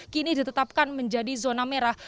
kini ditetapkan menjadi zona merah